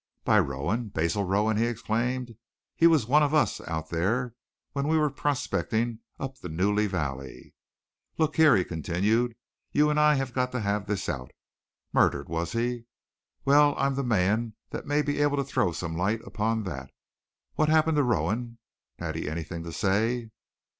"By Rowan Basil Rowan?" he exclaimed. "He was one of us out there when we were prospecting up the Newey Valley. Look here," he continued, "you and I have got to have this out. Murdered, was he? Well, I'm the man that may be able to throw some light upon that. What's happened to Rowan? Had he anything to say?"